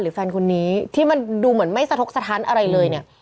แฟนคนนี้ที่มันดูเหมือนไม่สะทกสถานอะไรเลยเนี่ย